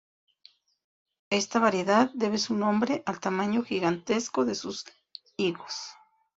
Esta variedad debe su nombre al tamaño gigantesco de sus higos.